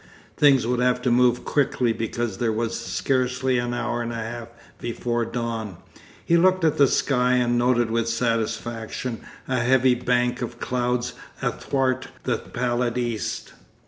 Things would have to move quickly because there was scarcely an hour and a half before dawn. He looked at the sky and noted with satisfaction a heavy bank of clouds athwart the pallid east.